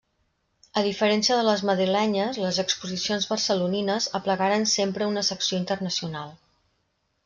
A diferència de les madrilenyes, les exposicions barcelonines aplegaren sempre una secció internacional.